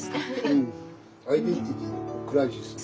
うんアイデンティティーのクライシスだね。